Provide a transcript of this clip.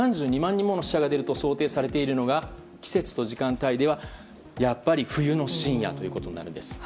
人もの死者が出ると想定されるのが季節と時間帯ではやっぱり冬の深夜となるんです。